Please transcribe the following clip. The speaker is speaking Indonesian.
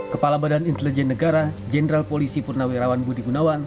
kepala badan intelijen negara jenderal polisi purnawirawan budi gunawan